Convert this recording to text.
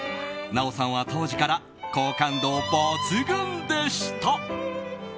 奈緒さんは当時から好感度抜群でした。